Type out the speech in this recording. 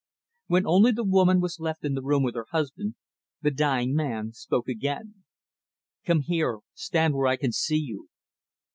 When only the woman was left in the room with her husband, the dying man spoke again; "Come here. Stand where I can see you."